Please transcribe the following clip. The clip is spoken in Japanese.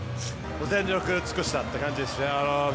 全力尽くしたという感じです。